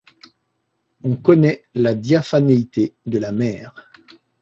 On connaît la diaphanéité de la mer.